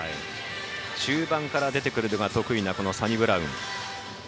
中盤から出てくるのが得意なサニブラウン。